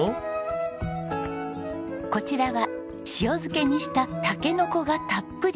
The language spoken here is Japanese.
こちらは塩漬けにしたたけのこがたっぷり！